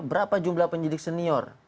berapa jumlah penyidik senior